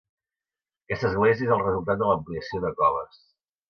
Aquesta església és el resultat de l'ampliació de coves.